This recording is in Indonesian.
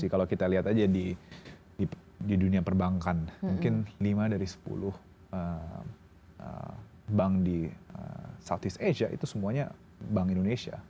kalau kita lihat aja di dunia perbankan mungkin lima dari sepuluh bank di southeast asia itu semuanya bank indonesia